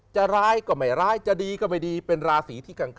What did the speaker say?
ร้ายก็ไม่ร้ายจะดีก็ไม่ดีเป็นราศีที่กลาง